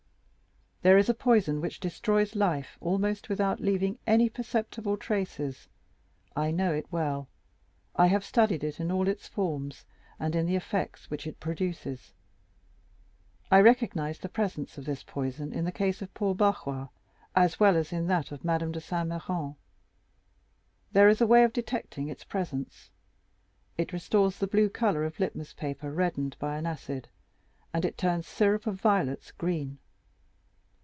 "There is a poison which destroys life almost without leaving any perceptible traces. I know it well; I have studied it in all its forms and in the effects which it produces. I recognized the presence of this poison in the case of poor Barrois as well as in that of Madame de Saint Méran. There is a way of detecting its presence. It restores the blue color of litmus paper reddened by an acid, and it turns syrup of violets green.